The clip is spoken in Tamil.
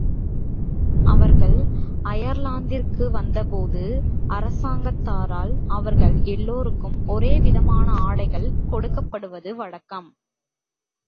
அவர்கள் அயர்லாந்திற்கு வந்தபோது அரசாங்கத்தாரால் அவர்கள் எல்லோருக்கும் ஒரே விதமான உடைகள் கொடுக்கப்படுவது வழக்கம்.